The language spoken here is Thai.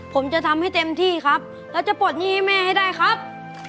ผมจะทำให้เต็มที่ครับและจะปลดยีไอเมย์ให้ได้ครับ